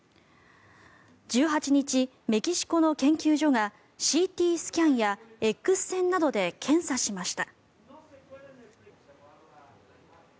１８日、メキシコの研究所がＣＴスキャンやＸ線などで検査しました。